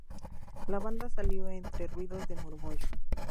La banda salió entre ruidos de murmullo.